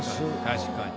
確かに。